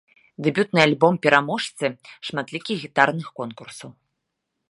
Дэбютны альбом пераможцы шматлікіх гітарных конкурсаў.